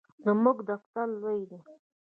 زموږ دفتر لوی دی